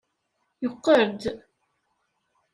Yeqqel-d.